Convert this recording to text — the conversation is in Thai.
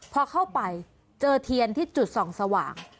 พอเข้าไปเจอเทียนที่จุดส่องสว่าง